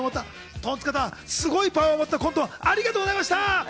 トンツカタン、すごいパワーを持ったコントをありがとうございました。